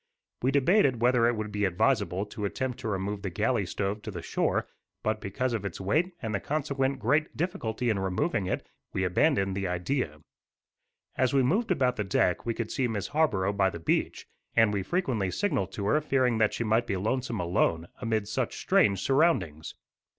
We debated whether it would be advisable to attempt to remove the galley stove to the shore; but, because of its weight and the consequent great difficulty in removing it, we abandoned the idea. As we moved about the deck we could see Miss Harborough by the beach, and we frequently signalled to her, fearing that she might be lonesome alone, amid such strange surroundings.